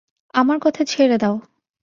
আমার কথা ছেড়ে দাও!